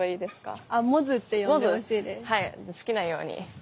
好きなように。